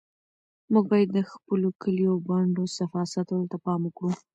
موږ باید د خپلو کلیو او بانډو صفا ساتلو ته پام وکړو.